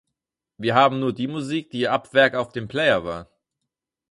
Wir haben nur die Musik, die ab Werk auf dem Player war.